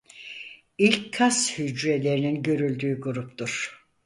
İlk kas hücrelerinin görüldüğü gruptur.